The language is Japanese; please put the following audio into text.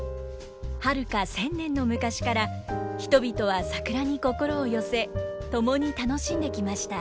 はるか１，０００年の昔から人々は桜に心を寄せ共に楽しんできました。